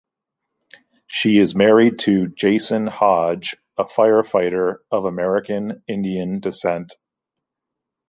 She is married to Jason Hodge, a firefighter of American Indian descent.